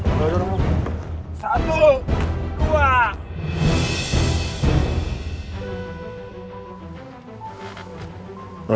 anjay baik aja lah